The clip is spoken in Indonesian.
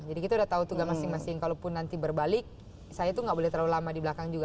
jadi kita udah tahu tugas masing masing kalaupun nanti berbalik saya tuh gak boleh terlalu lama di belakang juga